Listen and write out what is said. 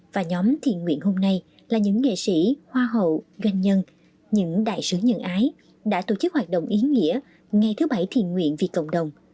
và nhóm thiền nguyện hôm nay là những nghệ sĩ hoa hậu doanh nhân những đại sứ nhân ái đã tổ chức hoạt động ý nghĩa ngày thứ bảy thiền nguyện vì cộng đồng